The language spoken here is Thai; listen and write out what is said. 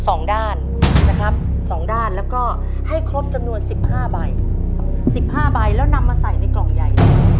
สองด้านนะครับสองด้านแล้วก็ให้ครบจำนวนสิบห้าใบสิบห้าใบแล้วนำมาใส่ในกล่องใหญ่